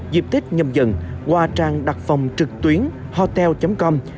dịp tết nhầm dần dần qua trang đặt phòng trực tuyến hotel com